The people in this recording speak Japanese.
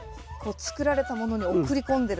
作られたものに送り込んでるんですね。